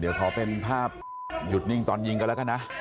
เดี๋ยวขอเป็นภาพหยุดนิ่งตอนยิงกันแล้วกันนะ